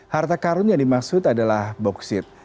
harta karun yang dimaksud adalah boksit